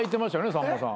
さんまさん。